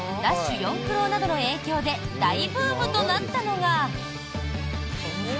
四駆郎」などの影響で大ブームとなったのが。